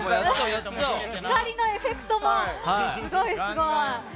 光のエフェクトもすごいすごい。